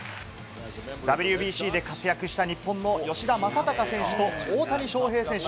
ＷＢＣで活躍した日本の吉田正尚選手と大谷翔平選手。